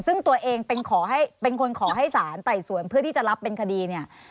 ซึ่งตัวเองเป็นคนขอให้สารไต่สวนเพื่อที่จะรับเป็นคดี